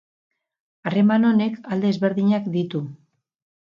Harreman honek alde ezberdinak ditu.